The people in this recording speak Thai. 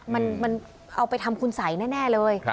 มันเอาไปทำคุณสัยแน่เลย